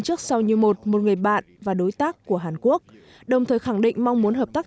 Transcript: trước sau như một một người bạn và đối tác của hàn quốc đồng thời khẳng định mong muốn hợp tác